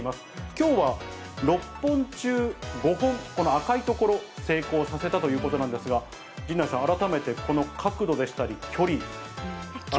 きょうは６本中５本、この赤い所、成功させたということなんですが、陣内さん、改めてこの角度でしたり、距離。